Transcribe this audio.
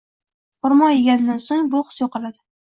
Xurmo yegandan soʻng bu his yoʻqoladi.